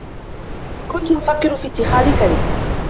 كنت أفكر في اتخاذ كلب.